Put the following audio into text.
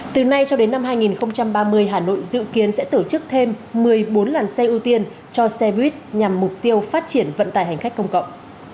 từ nay cho đến năm hai nghìn ba mươi hà nội dự kiến sẽ tổ chức thêm một mươi bốn làn xe ưu tiên cho xe buýt nhằm mục tiêu phát triển vận tải hành khách công cộng